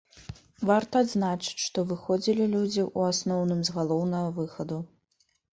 Варта адзначыць, што выходзілі людзі ў асноўным з галоўнага выхаду.